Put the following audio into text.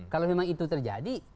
kalau memang itu terjadi